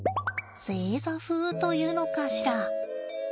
正座風というのかしら。